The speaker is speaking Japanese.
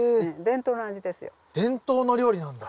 伝統の料理なんだ。